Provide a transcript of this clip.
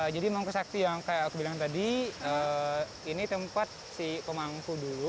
memang kesaksi yang kayak aku bilang tadi ini tempat si pemangku dulu